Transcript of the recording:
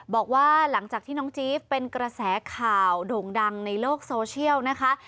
บอกว่าหลังจากที่น้องจี๊บเป็นกระแสข่าวโด่งดังในโลกโซเชียลนะคะ